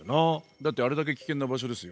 だってあれだけ危険な場所ですよ。